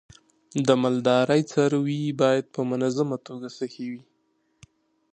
د مالدارۍ څاروی باید په منظمه توګه صحي وي.